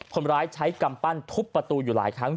คนร้ายใช้กำปั้นทุบประตูอยู่หลายครั้ง